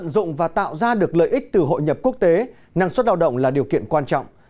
để được lợi ích từ hội nhập quốc tế năng suất lao động là điều kiện quan trọng